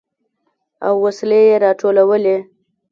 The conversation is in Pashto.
او وسلې يې راټولولې.